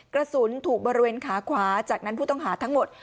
กระสุนถูกบริเวณขาขวาจากนั้นผู้ต้องหาทั้งหมด